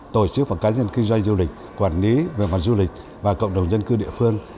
tổ chức và cá nhân kinh doanh du lịch quản lý về mặt du lịch và cộng đồng dân cư địa phương